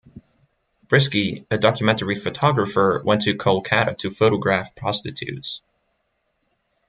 Briski, a documentary photographer, went to Kolkata to photograph prostitutes.